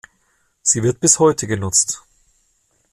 Sie wird bis heute genutzt.